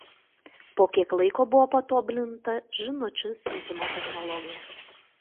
Po kiek laiko buvo patobulinta žinučių siuntimo technologija.